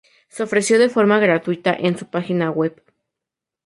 Se ofreció de forma gratuita en su página web.